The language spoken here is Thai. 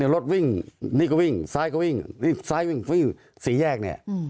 รถวิ่งนี่ก็วิ่งซ้ายก็วิ่งซ้ายวิ่งสี่แยกเนี่ย